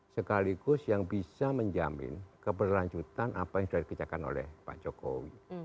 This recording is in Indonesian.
sekaligus yang bisa menjamin keberlanjutan apa yang sudah dikerjakan oleh pak jokowi